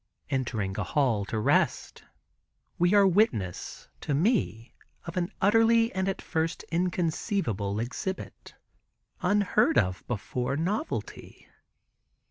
Entering a hall to rest, we are witness, to me, of an utterly, and at first inconceivable, exhibit, unheard of before novelty.